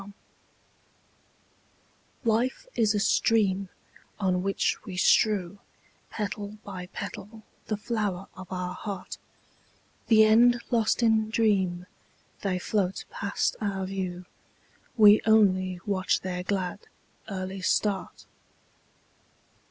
Petals Life is a stream On which we strew Petal by petal the flower of our heart; The end lost in dream, They float past our view, We only watch their glad, early start.